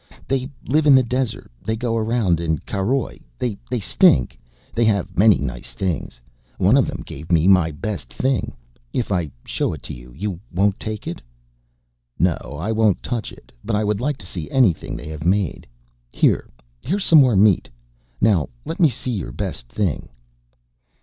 "They live in the desert. They go around in caroj. They stink. They have many nice things. One of them gave me my best thing. If I show it to you, you won't take it?" "No, I won't touch it. But I would like to see anything they have made. Here, here's some more meat. Now let me see your best thing."